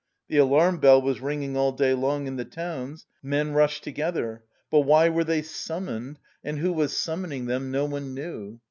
The alarm bell was ringing all day long in the towns; men rushed together, but why they were summoned and who was summoning them no one knew.